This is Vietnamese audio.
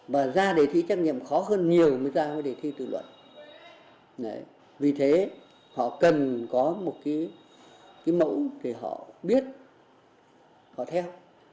vì thế họ cần có một cái mẫu thì họ biết họ theo